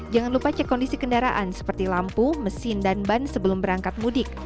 jangan lupa cek kondisi kendaraan seperti lampu mesin dan ban sebelum berangkat mudik